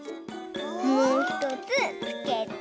もうひとつつけて。